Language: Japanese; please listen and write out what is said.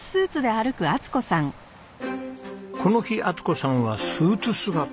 この日充子さんはスーツ姿。